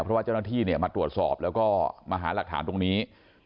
เพราะว่าเจ้าหน้าที่มาตรวจสอบแล้วก็มาหาหลักฐานตรงนี้